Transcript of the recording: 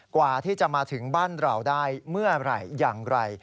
กว่าที่จะมาถึงบ้านเราได้เมื่อไหร่อย่างไร